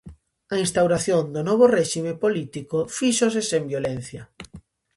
A instauración do novo réxime político fíxose sen violencia.